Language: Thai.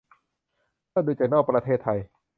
ถ้าดูจากนอกประเทศไทย